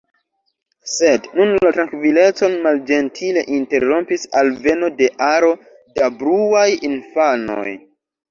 Sed nun la trankvilecon malĝentile interrompis alveno de aro da bruaj infanoj.